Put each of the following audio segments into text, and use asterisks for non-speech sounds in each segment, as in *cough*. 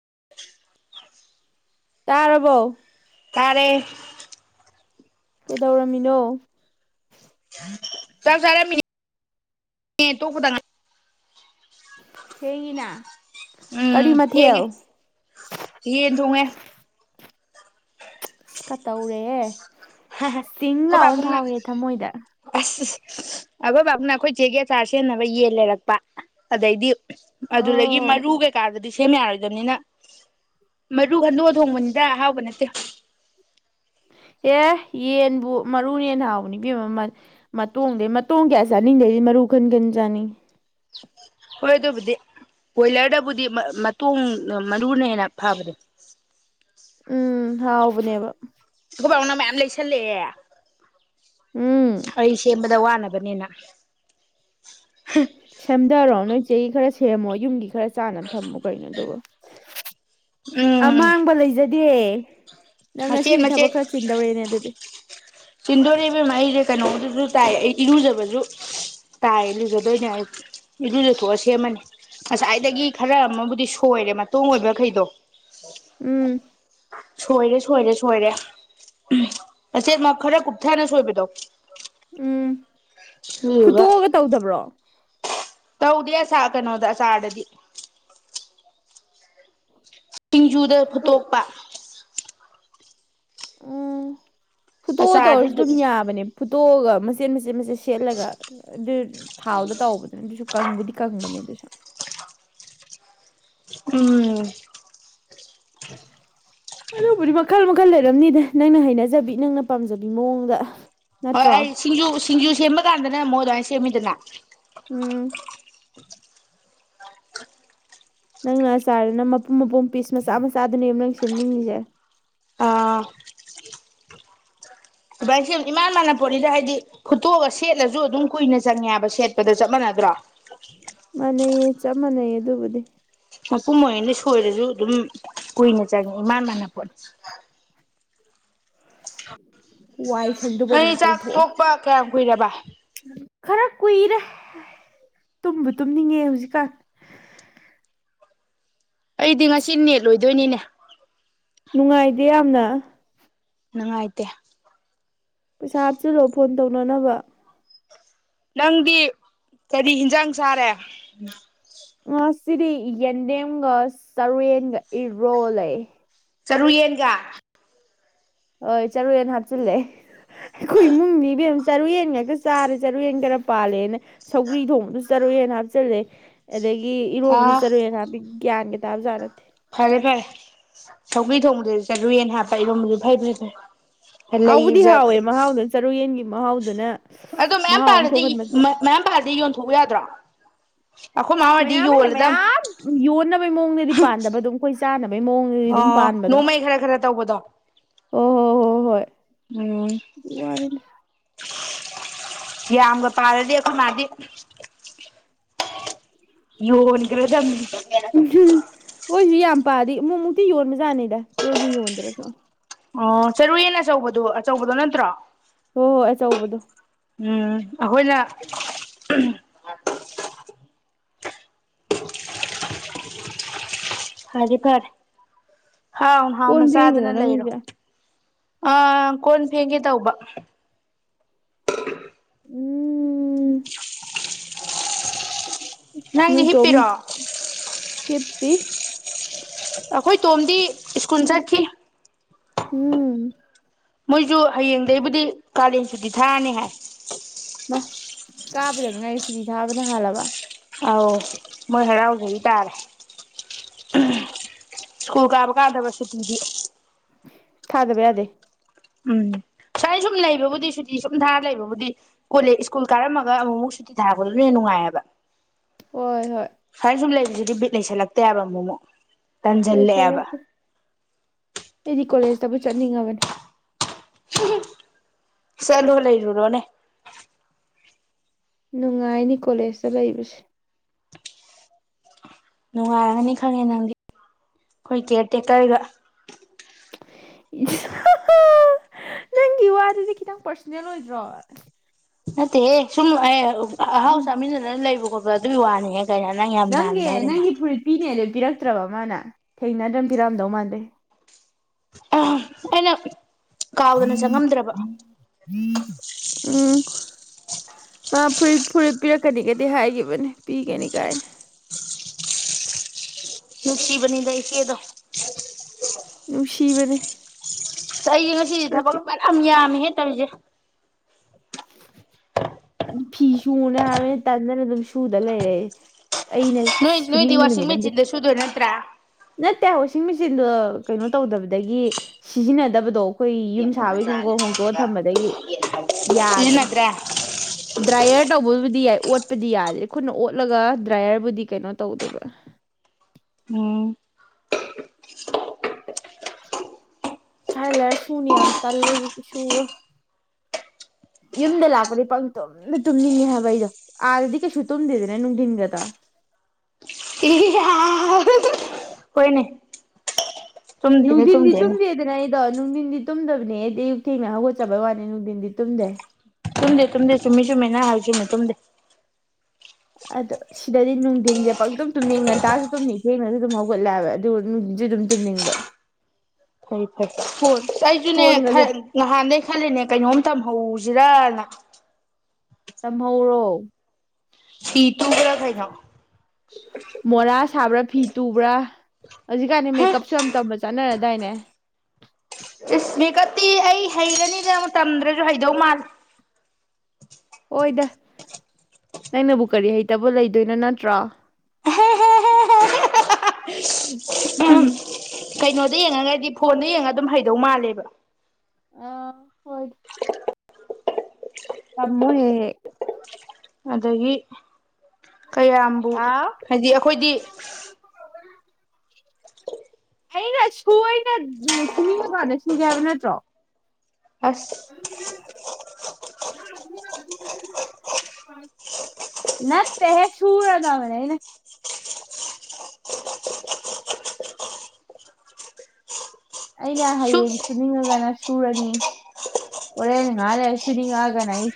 *unintelligible* ꯇꯥꯔꯔꯕꯣ ꯇꯥꯔꯦ ꯀꯩꯗꯧꯔꯝꯃꯤꯅꯣ ꯇ ꯁꯔꯦ ꯃꯤꯅꯤ ꯇꯣ ꯈꯨꯗ ꯉ ꯍꯉꯅ ꯎꯝ ꯊꯦꯡꯒꯦ ꯌꯦꯟ ꯊꯨꯡꯉꯦ ꯀꯠꯇꯧꯔꯦ ꯆꯤꯡꯅꯥ ꯑꯃꯝ ꯄꯥꯕꯨꯡꯅ ꯐꯥꯎꯔꯦ ꯊꯃꯣꯏꯗ ꯑꯁ ꯑꯩꯈꯣꯏ ꯕꯥꯕꯅ ꯑꯩꯈꯣꯏ ꯆꯦꯒꯦ ꯆꯥꯔ ꯁꯦꯟꯅꯕ ꯌꯦꯟ ꯂꯩꯔꯛꯄ ꯑꯗꯩꯗꯤ ꯑꯗꯨꯗꯒꯤ ꯑꯣ ꯃꯔꯨ ꯀꯩꯀꯥꯗꯗꯤ ꯁꯦꯝ ꯌꯥꯔꯣꯏꯗꯕꯅꯤꯅ ꯃꯔꯨ ꯈꯟꯗꯣꯛꯑ ꯊꯣꯡꯕꯅꯤꯗ ꯑꯍꯥꯎꯕ ꯅꯠꯇꯦ ꯑꯦ ꯌꯦꯟꯕꯨ ꯃꯔꯨꯅꯟ ꯍꯥꯎꯕꯅꯤ ꯄ ꯃꯇꯣꯡꯗꯩ ꯃꯇꯣꯡ ꯀꯌꯥ ꯆꯥꯅꯤꯡꯗꯗꯤ ꯃꯔꯨ ꯈꯟ ꯈꯟ ꯆꯥꯅꯤꯡꯉꯤ ꯍꯣꯏ ꯑꯗꯨꯕꯨꯗꯤ ꯕꯣꯏꯂꯔꯗꯕꯨꯗꯤ ꯃꯇꯣꯡ ꯃꯔꯨꯅ ꯍꯦꯟꯅ ꯐꯕꯅꯦ ꯎꯝ ꯍꯥꯎꯕꯅꯦꯕ ꯄꯥꯎꯅ ꯃꯌꯥꯝ ꯂꯩꯁꯜꯂꯛꯑꯦ ꯎꯝ ꯑꯩꯁ ꯋꯥ ꯅꯕꯅꯤꯅ ꯁꯝꯗꯔꯣꯅꯣꯏ ꯆꯩ ꯈꯔ ꯁꯦꯝꯃꯣ ꯌꯨꯝꯒꯤ ꯈꯔ ꯆꯥꯅꯕ ꯊꯝꯃꯣ ꯀꯩꯅꯣ ꯑꯗꯨꯒ ꯎꯝ ꯑꯃꯥꯡꯕ ꯂꯩꯖꯩ ꯗꯦ ꯅꯪ ꯃꯆꯦꯠ ꯉꯁꯤꯗꯤ ꯊꯕꯛ ꯈꯔ ꯆꯤꯟꯗꯧꯔꯦꯅꯦ ꯑꯗꯨꯗꯤ ꯆꯤꯟꯗꯣꯔꯛꯕꯦꯝꯃ ꯑꯩꯁꯦ ꯀꯩꯅꯣꯝꯗꯨꯁꯨ ꯇꯥꯏ ꯑꯩ ꯏꯔꯨꯖꯕꯁꯨ ꯇꯥꯏ ꯏꯔꯨꯖꯗꯣꯏꯅꯦ ꯑꯩ ꯏꯔꯨꯖꯊꯣꯛꯑ ꯁꯦꯝꯃꯅꯤ ꯉꯁꯥꯏꯗꯒꯤ ꯈꯔ ꯑꯃꯕꯨꯗꯤ ꯁꯣꯏꯔꯦ ꯃꯇꯣꯡ ꯑꯣꯏꯕ ꯃꯈꯩꯗꯣ ꯎꯝ ꯁꯣꯏꯔꯦ ꯁꯣꯏꯔꯦ ꯁꯣꯏꯔꯦ ꯑꯆꯦꯠ ꯈꯔ ꯀꯨꯞꯊꯅ ꯁꯣꯏꯕꯗꯣ ꯎꯝ ꯎꯕ ꯐꯨꯠꯇꯣꯛꯑꯒ ꯇꯧꯗꯕ꯭ꯔꯣ ꯇꯧꯗꯦ ꯑꯁꯥ ꯀꯩꯅꯣꯗ ꯑꯆꯥꯥꯔꯗꯗꯤ ꯁꯤꯡꯖꯨꯗ ꯐꯨꯠꯇꯣꯛ ꯐꯨꯠꯇꯣꯛꯄ ꯎꯝ ꯐꯨꯇꯣ ꯇꯧ ꯑꯣꯏꯔꯁꯨ ꯑꯗꯨꯝ ꯌꯥꯕꯅꯦ ꯐꯨꯠꯇꯣꯛꯑꯒ ꯃꯆꯠ ꯃꯆꯦꯠ ꯃꯆꯦꯠ ꯁꯦꯠꯂꯒ ꯑꯗꯨ ꯊꯥꯎꯗ ꯇꯧꯕꯗꯨꯅ ꯑꯗꯨꯁꯨ ꯀꯪꯕꯨꯗꯤ ꯀꯪꯕꯅꯦ ꯑꯗꯨꯁꯨ ꯎꯝ ꯍꯜꯣ ꯄꯨꯔꯤ ꯃꯈꯥꯜ ꯃꯈꯜ ꯂꯩ ꯃꯔꯝꯅꯤꯗ ꯅꯪꯅ ꯍꯩꯅꯖꯕꯤ ꯅꯪꯅ ꯄꯥꯝꯖꯕꯤ ꯃꯑꯣꯡꯗ ꯍꯣꯏ ꯅꯠꯇ꯭ꯔꯣ ꯑꯩ ꯁꯤꯁꯤꯡꯖ ꯁꯤꯡꯖꯨ ꯁꯦꯝꯕ ꯀꯥꯟꯗꯅ ꯃꯣꯏ ꯑꯗꯨꯃꯥꯏꯅ ꯁꯦꯝꯃꯤꯗꯅ ꯎꯝ ꯅꯪꯅ ꯑ ꯆꯥꯔꯅ ꯃꯄꯨꯝ ꯃꯄꯨꯝ ꯄꯤꯁ ꯃꯆꯥ ꯃꯆꯥꯗꯨꯅꯦ ꯑꯃꯨ ꯅꯪ ꯁꯦꯝꯅꯤꯡꯉꯤꯁꯦ ꯑꯥ ꯑꯗꯨꯃꯥꯏꯅꯁꯦ ꯏꯃꯥꯟ ꯃꯥꯟꯅ ꯄꯣꯠꯁ ꯍꯥꯏꯗꯤ ꯐꯨꯠꯇꯣꯛꯑꯒ ꯁꯦꯠꯂꯁꯨ ꯑꯗꯨꯝ ꯀꯨꯏꯅ ꯆꯪꯉꯦꯕ ꯁꯦꯠꯄꯗ ꯆꯞ ꯃꯥꯟꯅꯗ꯭ꯔꯣ ꯆꯥꯟꯅꯩꯌꯦ ꯆꯞ ꯃꯥꯟꯅꯩꯌꯦ ꯑꯗꯨꯕꯨꯗꯤ ꯃꯄꯨꯝ ꯑꯣꯏꯗ ꯁꯣꯏꯔꯁꯨ ꯑꯗꯨꯝ ꯀꯨꯏꯅ ꯆꯪꯉꯦ ꯏꯃꯥꯟ ꯃꯥꯟꯅꯄꯣꯠꯅ *inaudible* ꯁꯪꯗꯣꯛꯄ ꯃꯤꯅꯤꯠ ꯑꯩ ꯆꯥꯛ ꯇꯧꯊꯣꯛꯑꯣ ꯊꯣꯛꯣꯛꯄ ꯀꯌꯥꯝ ꯀꯨꯏꯔꯕ ꯈꯔ ꯀꯨꯏꯔꯦ ꯇꯨꯝꯕ ꯇꯨꯝꯅꯤꯡꯉꯦ ꯍꯧꯖꯤꯛꯀꯥꯟ ꯑꯩꯗꯤ ꯉꯁꯤ ꯅꯦꯠ ꯂꯣꯏꯗꯣꯏꯅꯤꯅꯦ ꯅꯨꯡꯉꯥꯏꯗꯦ ꯌꯥꯝꯅ ꯅꯨꯡꯉꯥꯏꯇꯦ ꯄꯩꯁꯥ ꯍꯥꯞꯆꯤꯂꯣ ꯐꯣꯟ ꯇꯧꯅꯅꯕ ꯅꯪꯗꯤ ꯀꯔꯤ ꯍꯤꯟꯖꯥꯡ ꯁꯥꯔꯦ ꯉꯁꯤꯗꯤ ꯌꯦꯟꯗꯦꯝꯒ ꯆꯔꯦꯟꯒ ꯏꯔꯣꯜꯂ ꯆꯔꯨ ꯌꯦꯟꯒ ꯍꯣꯏ ꯆꯔꯨꯌꯦꯅ ꯍꯥꯞꯆꯤꯜꯂꯦ ꯑꯩꯈꯣꯏ ꯏꯃꯨꯡꯅꯤꯕ ꯆꯔꯨꯌꯦꯟ ꯉꯥꯛꯛꯇ ꯆꯥꯔꯦ ꯆꯔꯨ ꯌꯦꯟ ꯈꯔ ꯄꯥꯜꯂꯦꯅ ꯁꯧꯒ꯭ꯔꯤ ꯊꯣꯡꯕꯗ ꯆꯔꯨꯌꯦꯟ ꯍꯥꯞꯆꯤꯜꯂꯦ ꯑꯗꯒꯤ ꯏꯔꯣꯝꯗ ꯑꯥ ꯆꯔꯨꯌꯦꯟ ꯍꯥꯄꯤ ꯒ꯭ꯌꯥꯟꯒ ꯇꯥꯕ ꯖꯥꯠ ꯅꯠꯇꯦ ꯐꯔꯦ ꯐꯔꯦ ꯁꯧꯒ꯭ꯔꯤ ꯊꯣꯡꯕꯗꯁꯨ ꯆꯔꯨꯌꯦꯟ ꯍꯥꯞꯄ ꯏꯔꯣꯝꯕꯗꯁꯨ ꯐꯔꯦ ꯐꯔꯦ ꯍꯥꯎꯕꯨꯗꯤ ꯍꯥꯎꯋꯦ ꯃꯍꯥꯎꯗꯨꯅ ꯆꯔꯨꯌꯦꯟꯒꯤ ꯃꯍꯥꯎꯗꯨꯅ ꯑꯗꯣ ꯃꯌꯥꯝ ꯃꯍꯥꯎ ꯑꯃ ꯄꯥꯥꯜꯂꯗꯤ ꯊꯣꯛꯍꯟꯕꯅꯦ ꯃ ꯄꯥꯜꯂꯗꯤ ꯌꯣꯟꯊꯣꯛꯎ ꯌꯥꯗ꯭ꯔꯣ ꯑꯩꯈꯣꯏ ꯃꯥ ꯍꯣꯏꯗꯤ ꯃꯌꯥꯝꯑꯅ ꯌꯣꯜꯂꯗꯝ ꯃꯌꯥꯝ ꯌꯣꯟꯅꯕꯩ ꯃꯑꯣꯡꯗꯗꯤ ꯄꯥꯟꯗꯕ ꯑꯗꯨꯝ ꯑꯩꯈꯣꯏ ꯆꯥꯅꯕ ꯕꯩ ꯃꯑꯣꯡꯗꯗꯤ ꯑꯗꯨꯝ ꯑꯣ ꯄꯥꯟꯕꯗꯣ ꯅꯣꯡꯃꯩ ꯈꯔ ꯈꯔ ꯇꯧꯕꯗꯣ ꯑꯣ ꯍꯣ ꯍꯣꯏ ꯍꯣꯏ ꯎꯝ ꯑꯗꯨꯏ ꯋꯥꯅꯤꯗ ꯌꯥꯝꯒ ꯄꯥꯜꯂꯗꯤ ꯈꯣꯏꯃꯥꯗꯤ ꯌꯣꯟꯒ꯭ꯔ ꯗꯝꯅꯤ ꯈꯣꯏꯁꯨ ꯌꯥꯝ ꯄꯥꯜꯂꯗꯤ ꯑꯃꯨꯛꯃꯨꯛꯇꯤ ꯌꯣꯟꯕꯖꯥꯠꯅꯤꯗ ꯇꯣꯏꯅ ꯌꯣꯟꯗ꯭ꯔꯁꯨ ꯑꯣ ꯆꯔꯨꯌꯦꯟ ꯑꯆꯧꯕꯗꯣ ꯑꯆꯧꯕꯗꯣ ꯅꯠꯇ꯭ꯔꯣ ꯍꯣꯏ ꯍꯣꯏ ꯑꯆꯧꯕꯗꯣ ꯎꯝ ꯑꯈꯣꯏꯅ *inaudible* *unintelligible* ꯐꯔꯦ ꯍꯥꯎ ꯍꯥꯎ ꯀꯣꯟ ꯐꯦꯡꯉꯤꯔꯣ ꯃꯆꯥꯗꯅ ꯂꯩꯔꯣ ꯅꯪꯒꯤꯁꯦ ꯑꯥ ꯀꯣꯟ ꯐꯦꯡꯒꯦ ꯇꯧꯕ ꯎꯝ ꯅꯪ ꯍꯤꯞꯄꯤꯔꯣ ꯍꯦꯞꯄꯤ ꯑꯩꯈꯣꯏ ꯇꯣꯝꯗꯤ ꯁꯀꯨꯜ ꯆꯠꯈꯤ ꯎꯝ ꯃꯣꯏꯁꯨ ꯍꯌꯦꯡꯗꯩꯕꯨꯗꯤ ꯀꯥꯂꯦꯟ ꯁꯨꯗꯤ ꯊꯥꯔꯅꯤ ꯍꯥꯏ ꯀꯥꯕꯗ ꯉꯥꯏꯔꯤ ꯁꯨꯇꯤ ꯊꯥꯕꯅ ꯍꯥꯜꯂꯕ ꯑꯥꯎ ꯃꯣꯏ ꯍꯔꯥꯎꯖꯔꯤ ꯇꯥꯔꯦ ꯇꯔꯦ ꯁ꯭ꯀꯨꯜ ꯀꯥꯕ ꯀꯥꯗꯕ ꯁꯨꯇꯤꯗꯤ ꯊꯥꯗꯕ ꯌꯥꯗꯦ ꯎꯝ ꯁꯥꯏ ꯁꯨꯝ ꯂꯩꯕꯕꯨꯗꯤ ꯁꯨꯇꯤ ꯁꯨꯝ ꯊꯥꯔ ꯂꯩꯕꯕꯨꯗꯤ ꯀꯣꯜꯂꯦ ꯁ꯭ꯀꯨꯜ ꯀꯥꯔꯝꯃꯒ ꯑꯃꯨꯛ ꯑꯃꯨꯛ ꯁꯨꯇꯤ ꯊꯥꯔꯛꯄꯗꯨꯅ ꯍꯦꯟ ꯅꯨꯡꯉꯥꯏꯌꯦꯕ ꯍꯣꯏ ꯍꯣꯏ ꯁꯥꯏꯅ ꯁꯨꯝ ꯂꯩꯕꯁꯤꯗꯤ ꯕꯤꯠ ꯂꯩꯁꯜꯂꯛꯇꯦꯕ ꯑꯃꯨꯛꯃꯨꯛ ꯇꯟꯁꯤꯜꯂꯛꯑꯦꯕ ꯂꯣꯏꯁꯜꯂꯛꯀꯦ ꯑꯩꯗꯤ ꯀꯣꯂꯦꯖꯇꯕꯨ ꯆꯠꯅꯤꯡꯉꯕꯅꯤ ꯆꯠꯂꯣ ꯂꯩꯔꯨꯔꯣꯅꯦ ꯅꯨꯡꯉꯥꯏꯅꯤ ꯀꯣꯂꯦꯖꯇ ꯂꯩꯕꯁꯦ ꯅꯨꯡꯉꯥꯏꯔꯒꯅꯤ ꯈꯪꯉꯦ ꯅꯪꯗꯤ ꯑꯩꯈꯣꯏ ꯀꯦꯌꯔ ꯇꯦꯛꯀꯔꯒ ꯗꯤ ꯈꯤꯇꯪ ꯄꯔꯁꯅꯦꯜ ꯑꯣꯏꯗ꯭ꯔꯣ ꯃꯠꯇꯦꯍꯦ ꯁꯨꯝꯃꯅ ꯑꯍꯥꯎ ꯎꯝ ꯆꯥꯃꯤꯟꯅꯗꯅ ꯂꯩꯕ ꯈꯣꯠꯄ ꯑꯗꯨꯒꯤ ꯋꯥꯅꯤꯍ ꯀꯩꯅ ꯅꯪ ꯌꯥꯝ ꯅꯪꯒꯤ ꯅꯥꯥꯟꯗ ꯍꯧꯕ ꯅꯪꯒꯤ ꯃꯥꯜꯦ ꯐꯨꯔꯤꯠ ꯄꯤꯅꯦꯗꯣ ꯄꯤꯔꯛꯇ꯭ꯔꯕ ꯃꯥꯅ ꯊꯦꯡꯅꯗ꯭ꯔꯅ ꯄꯤꯔꯛꯑꯝꯗꯧ ꯃꯥꯟꯗꯦ ꯑ ꯑꯩꯅ ꯀꯥꯎꯗꯅ ꯆꯪꯉꯝꯗ꯭ꯔꯕ ꯑ ꯐꯨ ꯐꯨꯔꯤꯠ ꯄꯤꯔꯛꯀꯅꯤꯒꯗꯤ ꯍꯥꯏꯈꯤꯕꯅꯤ ꯄꯤꯒꯅꯤ ꯀꯥꯏꯅ ꯅꯨꯡꯁꯤꯕꯅꯤꯗ ꯏꯆꯦ ꯗꯣ ꯅꯨꯡꯁꯤꯕꯅꯤ ꯑꯩ ꯉꯁꯤꯗꯤ ꯊꯕꯛ ꯐꯥꯟꯌꯥꯝ ꯌꯥꯝꯃꯦ ꯍꯦ ꯇꯜꯂꯦ ꯐꯤ ꯁꯨꯅ ꯍꯥꯏꯕꯅ ꯇꯟꯗꯅ ꯑꯗꯨꯝ ꯁꯨꯗ ꯂꯩꯔꯛꯑꯦ ꯅꯣꯏ ꯅꯣꯏꯗꯤ ꯋꯥꯁꯤꯡ ꯃꯆꯤꯟꯗꯦ ꯁꯨꯗꯣꯏꯦ ꯅ꯭ꯔ ꯅꯠꯇꯦ ꯋꯥꯁꯤꯡ ꯃꯦꯆꯤꯟꯗꯣ ꯀꯩꯅꯣ ꯇꯧꯗꯕꯗꯒꯤ ꯁꯤꯖꯤꯟꯅꯗꯕꯗꯣ ꯑꯩꯈꯣꯏ ꯌꯨꯝ ꯥꯎ ꯁꯨ ꯀꯣ ꯍꯨ *unintelligible* ꯊꯝꯕꯗꯒꯤ ꯌꯥꯗ꯭ꯔꯦ ꯁꯤꯖꯤꯟꯅꯗ꯭ꯔꯦ ꯗ꯭ꯔꯥꯏꯌꯔ ꯇꯧꯕꯕꯨꯗꯤ ꯌꯥꯏ ꯑꯣꯠꯄꯗꯤ ꯌꯥꯗꯦ ꯑꯩꯈꯣꯏꯅ ꯑꯣꯠꯂꯒ ꯗ꯭ꯔꯥꯏꯌꯔꯕꯨꯗꯤ ꯀꯩꯅꯣ ꯇꯧꯗꯣꯏꯕ ꯎꯝ ꯊꯥꯏ ꯂꯩꯔ ꯁꯨꯅꯤ ꯌꯥꯝ ꯇ ꯂꯗꯤ ꯁꯨꯕ ꯌꯨꯝꯗ ꯂꯥꯛꯄꯅꯤ ꯄꯪ ꯇꯨꯝꯅ ꯇꯨꯝꯅꯤꯡꯉꯦ ꯍꯥꯏꯕ ꯑꯩꯗꯣ ꯑꯥꯗꯗꯤ ꯀꯩꯁꯨ ꯇꯨꯝꯗꯦꯗꯅꯦ ꯅꯨꯡꯊꯤꯟꯒꯗ ꯍꯣꯏꯅꯦ ꯇꯨꯝꯗꯦꯅꯦ ꯅꯨꯡꯗꯤꯟꯗꯤ ꯇꯨꯝꯗꯦꯅꯦ ꯇꯨꯝꯗꯤ ꯗꯥꯅꯥ ꯑꯩꯗꯣ ꯅꯨꯡꯗꯤꯟ ꯇꯨꯝꯗꯕꯅꯦ ꯑꯦꯗꯤ ꯊꯦꯡꯅ ꯍꯧꯒꯠꯆꯕꯩ ꯋꯥꯅꯤ ꯅꯨꯡꯊꯤꯟꯗꯤ ꯇꯨꯝꯗꯦ ꯇꯨꯝꯗꯦ ꯇꯨꯝꯗꯦ ꯆꯨꯝꯃꯤ ꯆꯨꯝꯃꯤ ꯅꯪ ꯍꯥꯏꯁꯤꯅꯤ ꯇꯨꯝꯗꯦ ꯑꯗꯣ ꯁꯤꯗꯗꯤ ꯅꯨꯡꯊꯤꯟꯁꯦ ꯄꯪꯇꯨꯝ ꯇꯨꯝꯅꯤꯡ ꯉꯟꯇꯥꯁꯨ ꯇꯨꯝꯅꯤꯡ ꯊꯦꯡꯅꯁꯨ ꯑꯗꯨꯝ ꯍꯧꯒꯠꯂꯛꯑꯕ ꯑꯗꯨ ꯅꯨꯡꯊꯤꯟꯁꯨ ꯑꯗꯨꯝ ꯇꯨꯝꯅꯤꯡꯕ ꯐꯩ ꯐꯣꯟ ꯐꯩ ꯑꯩꯁꯨꯅꯦ ꯐꯣꯟꯒꯁꯦ ꯈꯔ ꯅꯍꯥꯟꯗꯒꯤꯩ ꯈꯜꯂꯤꯅꯦ ꯀꯩꯅꯣꯝ ꯇꯝꯍꯧꯁ ꯖꯤꯔꯥꯅ ꯇꯝꯍꯧꯔꯣ ꯁꯤ ꯇꯨꯕꯔꯥ ꯀꯩꯅꯣ ꯃꯣꯔꯥ ꯁꯥꯕ꯭ꯔꯥ ꯐꯤ ꯇꯨꯕ꯭ꯔꯥ ꯍꯧꯖꯤꯛꯀꯥꯟꯅꯤ ꯍꯦ ꯃꯦꯀꯞꯁꯨ ꯌꯥꯝ ꯇꯝꯕ ꯆꯥꯟꯅꯔꯦ ꯗꯥꯏꯅꯦ ꯏꯁꯃꯤꯀꯠꯇꯤ ꯑꯩ ꯍꯩꯔꯅꯤꯗꯅ ꯑꯃꯨꯛ ꯇꯝꯗ꯭ꯔꯁꯨ ꯍꯩꯗꯧ ꯃꯥꯜꯂꯦ ꯍꯣꯏꯗ ꯅꯪꯅꯕꯨ ꯀꯔꯤ ꯍꯩꯇꯕ ꯂꯩꯗꯣꯏꯅꯣ ꯅꯠꯇ꯭ꯔꯥ ꯎꯝ ꯀꯩꯅꯣꯗ ꯌꯦꯡꯉꯒꯗꯤ ꯐꯣꯟꯗ ꯌꯦꯡꯉꯒ ꯑꯗꯨꯝ ꯍꯩꯗꯧ ꯃꯥꯜꯂꯦꯕ ꯑ ꯍꯣꯏ ꯇꯃꯨ ꯍꯦꯍꯦ ꯑꯗꯒꯤ ꯀꯌꯥꯝꯕꯨ ꯍꯥꯎ ꯍꯥꯏꯗꯤ ꯑꯩꯈꯣꯏꯗꯤ ꯍꯩꯅ ꯁꯣꯏ ꯁꯨꯅꯤꯉꯀꯥꯟꯗ ꯁꯨꯒꯦ ꯍꯥꯏꯕ ꯅꯠꯇ꯭ꯔꯣ ꯑꯁ ꯅꯠꯇ ꯍꯦ ꯁꯨꯔ ꯇ ꯃꯅꯦꯅꯦ ꯑꯩꯅ ꯁꯨ ꯍꯌꯦꯡ ꯁꯨꯅꯤꯡꯉꯒꯅ ꯁꯨꯔꯅꯤ ꯍꯣꯔꯦꯟ ꯉꯍꯥ ꯂꯩꯔ ꯁꯨꯅꯤꯡꯉꯛꯑꯒꯅ ꯑꯩ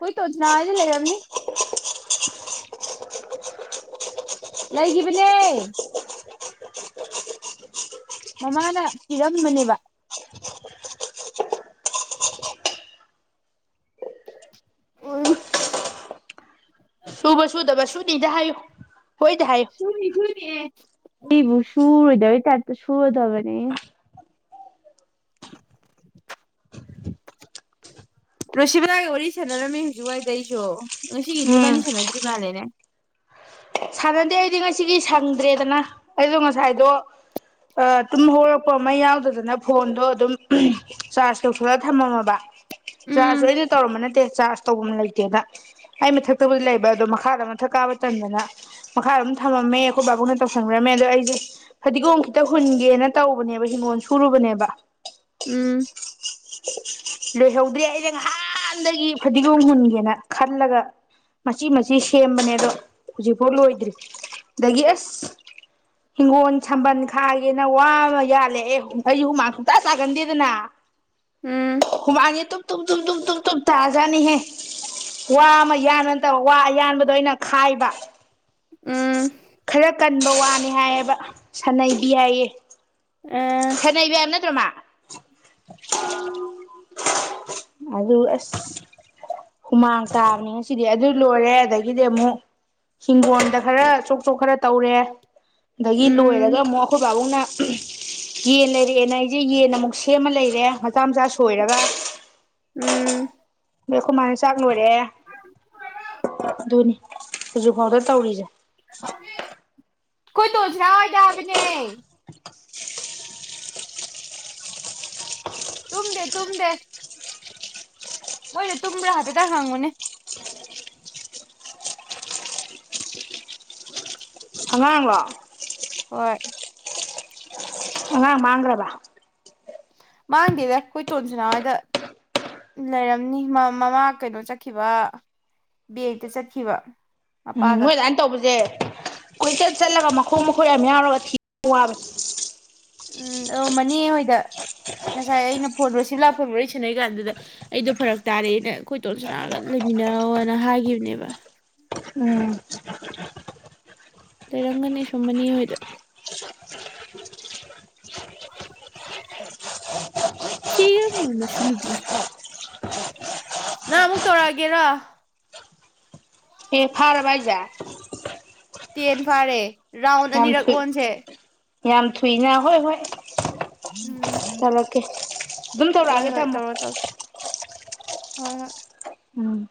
ꯀꯣꯏ ꯇꯣꯗꯅꯥꯗꯤ ꯂꯩꯔꯝꯅꯤ ꯂꯩꯈꯤꯕꯅꯦ ꯃꯃꯥꯅ ꯄꯤꯔꯝꯝꯕꯅꯦꯕ ꯑꯣ ꯇꯕꯨꯕꯁꯨꯗꯕꯥꯁꯨ ꯄꯗꯥ ꯍꯥꯏꯌꯨ ꯍꯣꯏꯗꯦ ꯕꯨ ꯁꯨꯔꯣꯏꯗ ꯇꯇꯣ ꯁꯨꯔꯣꯏꯗꯕ ꯅ *unintelligible* ꯔꯨꯁꯤꯕꯂꯒꯤ ꯋꯥꯔꯤ ꯁꯥꯟꯅꯔꯝꯃꯤ ꯍꯧꯖꯤꯛ ꯋꯥꯏꯗ ꯑꯩꯁꯨ ꯉ ꯎꯝ ꯁꯤꯒꯤꯅꯤꯕꯅꯤꯁꯅꯗ꯭ꯔꯤ ꯃꯥꯂꯦ ꯎ ꯁꯥꯟꯅꯗꯦ ꯑꯩꯗꯤ ꯉꯁꯤꯒꯤ ꯁꯪꯗ꯭ꯔꯦꯗꯅ ꯑꯩꯗꯣ ꯉꯁꯥꯏꯗꯣ ꯇꯨꯝ ꯍꯧꯣꯔꯛꯄ ꯑꯃ ꯌꯥꯎꯗꯗꯅ ꯐꯣꯟꯗꯣ ꯑꯗꯨꯝ ꯆꯥꯔꯖ ꯇꯧꯊꯣꯛꯂꯒ ꯊꯝꯃꯝꯃꯕ ꯁꯥꯥꯁꯨ ꯎꯝ ꯑꯩꯅ ꯇꯧꯔꯝꯕ ꯅꯠꯇꯦ ꯆꯥꯔꯖ ꯇꯧꯕ ꯑꯃ ꯂꯩꯇꯦꯅ ꯑꯩ ꯃꯊꯛꯇꯕꯨꯗꯤ ꯂꯩꯕ ꯑꯗꯣ ꯃꯈꯥꯗ ꯃꯊꯛ ꯀꯥꯕ ꯃꯇꯝꯝꯗꯅ ꯃꯈꯥ ꯑꯗꯨꯝ ꯊꯝꯃꯝꯃꯦ ꯑꯩꯈꯣꯏ ꯕꯥꯕꯨꯡꯅ ꯇꯧꯁꯟꯈ꯭ꯔꯝꯃꯦ ꯑꯗꯣ ꯑꯩꯁꯦ ꯐꯗꯤꯒꯣꯝ ꯈꯤꯇ ꯍꯨꯟꯒꯦꯅ ꯇꯧꯕꯅꯦꯕ ꯍꯤꯡꯒꯣꯜ ꯁꯨꯔꯨꯕꯅꯦꯕ ꯎꯝ ꯂꯣꯏꯍꯧꯗ꯭ꯔꯦ ꯑꯩꯩꯅ ꯉꯍꯥꯟꯗꯒꯤ ꯐꯗꯤꯒꯣꯝ ꯍꯨꯟꯒꯦꯅ ꯈꯜꯂꯒ ꯃꯆꯤ ꯃꯆꯤ ꯁꯦꯝꯕꯅꯦ ꯑꯗꯣ ꯍꯧꯖꯤꯛꯐꯥꯎ ꯂꯣꯏꯗ꯭ꯔꯤ ꯑꯗꯒꯤ ꯑꯁ ꯍꯤꯡꯒꯣꯜ ꯁꯝꯕꯜ ꯈꯥꯒꯦꯅ ꯋꯥ ꯑꯃ ꯌꯥꯜꯂꯦ ꯑꯦ ꯑꯩꯁꯨ ꯍꯨꯃꯥꯡ ꯍꯨꯝꯇꯥ ꯆꯥꯒꯟꯗꯦꯗꯅ ꯎꯝ ꯍꯅꯤ ꯇꯨ ꯇ ꯇ ꯇꯨꯞ ꯇꯨꯞ ꯇꯨꯝ ꯇꯥꯖꯅꯤꯍꯦ ꯋꯥ ꯑꯃ ꯌꯥꯟꯕ ꯅꯠꯇꯕ ꯋꯥ ꯑꯌꯥꯟꯕꯗꯣ ꯑꯩꯅ ꯈꯥꯏꯕ ꯎꯝ ꯈꯔ ꯀꯟꯕ ꯋꯥꯅꯤ ꯍꯥꯏꯌꯦꯕ ꯁꯥꯟꯅꯩꯕꯤ ꯍꯥꯏꯌꯦ ꯑꯥ ꯁꯅꯩꯕ ꯅꯠꯇ꯭ꯔꯃ ꯑꯗꯨ ꯑꯁ ꯍꯨꯃꯥꯡ ꯇꯥꯕꯅꯤ ꯉꯁꯤꯗꯤ ꯑꯗꯨ ꯂꯣꯏꯔꯦ ꯑꯗꯒꯤꯗꯤ ꯑꯃꯨꯛ ꯍꯤꯡꯒꯣꯣꯟꯗ ꯈꯔ ꯆꯣꯛ ꯆꯣꯛ ꯈꯔ ꯇꯧꯔꯦ ꯑꯗꯒꯤ ꯎꯝ ꯂꯣꯏꯔꯒ ꯑꯃꯨꯛ ꯑꯩꯈꯣꯏ ꯥꯕꯨꯡꯅ ꯌꯦꯟ ꯂꯩꯔꯛꯑꯦꯅ ꯑꯩꯁꯦ ꯌꯦꯟ ꯑꯃꯨꯛ ꯁꯦꯝ ꯑꯃ ꯂꯩꯔꯦ ꯃꯆꯥ ꯃꯆꯥ ꯁꯣꯏꯔꯒ ꯎꯝ ꯨꯥꯏ ꯆ ꯃꯣꯔꯦ ꯣꯅꯤ ꯐꯖꯨ ꯐꯥꯎꯗꯔ ꯇꯧꯔꯤꯁ *unintelligible* *unintelligible* *unintelligible* ꯇꯨꯝꯗꯦ ꯇꯨꯝꯗꯦ ꯃꯣꯏꯗ ꯇꯨꯝꯕ꯭ꯔꯥ ꯍꯥꯏꯐꯦꯠꯇꯪ ꯍꯥꯡꯉꯨꯅꯦ ꯑꯉꯥꯡꯂꯣ ꯍꯣꯏ ꯑꯉꯥꯠ ꯃꯥꯥꯡꯒ꯭ꯔꯕ ꯃꯥꯡꯗꯦꯗ ꯀꯣꯏꯇꯣꯟ ꯁꯅꯥꯍꯣꯏꯗ ꯂꯩꯔꯝꯅꯤ ꯃꯃꯥ ꯀꯩꯅꯣ ꯆꯠꯈꯤꯕ ꯕꯦꯡꯇ ꯆꯠꯈꯤꯕ ꯎꯝ ꯃꯄꯥꯒ ꯅꯣꯏ ꯑꯗꯨꯃꯥꯏꯅ ꯇꯧꯕꯁꯦ ꯀꯣꯏꯆꯠ ꯆꯠꯂꯒ ꯃꯈꯣꯡ ꯃꯈꯨꯠ ꯌꯥꯝ ꯌꯥꯎꯔꯒ ꯊꯤ ꯋꯥꯕꯦ ꯎꯝ ꯑꯗ ꯃꯅꯦ ꯍꯣꯏꯗ ꯉꯁꯥꯏ ꯑꯩꯅ ꯐꯣꯟ ꯁꯤ ꯂꯥꯛꯐꯝ ꯃꯔ ꯂꯩ ꯁꯥꯟꯅꯩ ꯀꯥꯟꯗꯨꯗ ꯑꯩꯗꯣ ꯐꯔꯛ ꯇꯥꯔꯦꯅ ꯑꯩꯈꯣꯏꯇꯣꯟ ꯁꯅꯥꯒ ꯂꯩꯃꯤꯟꯅꯧꯅ ꯍꯥꯏꯈꯤꯕꯅꯦꯕ ꯎꯝ ꯂꯩꯔꯝꯒꯅꯤ ꯁꯨꯝ ꯃꯅꯦ ꯍꯣꯏꯗ *unintelligible* ꯊꯤꯔꯝꯃꯣꯏ ꯃꯁꯨ ꯅꯨꯄꯤ ꯅꯪ ꯑꯃꯨꯛ ꯇꯧꯔꯛꯑꯒꯦꯔ ꯍꯦ ꯐꯥꯔꯕ ꯍꯥꯏꯖꯦ ꯇꯦꯟ ꯐꯥꯔꯦ ꯔꯥꯎꯟ ꯌꯥꯝ ꯑꯅꯤꯔꯛ ꯊꯨꯏ ꯑꯣꯟꯁꯦ ꯌꯥꯝ ꯊꯨꯏꯅ ꯍꯣꯏ ꯍꯣꯏ ꯎꯝ ꯇꯧꯔꯛꯀꯦ ꯑꯗꯨꯝ ꯍꯣꯏ ꯇꯧꯔꯛꯑꯒꯦ ꯍꯣꯏ ꯊꯝꯃꯨꯣ ꯇꯧꯔꯣ ꯇꯧꯔꯣ ꯍꯣꯏ ꯍꯣꯏ ꯎꯝ